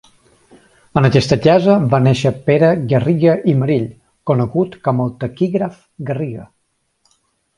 En aquesta casa va néixer Pere Garriga i Marill, conegut com el taquígraf Garriga.